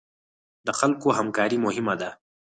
د خلکو همکاري مهمه ده